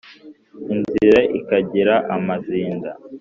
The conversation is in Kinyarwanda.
Inzira ikagira amazinda